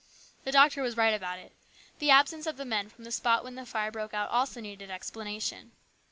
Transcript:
The doctor was right about it. The absence of the men from the spot when the fire broke out also needed explanation.